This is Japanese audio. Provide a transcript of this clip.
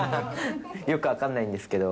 よく分かんないんですけど。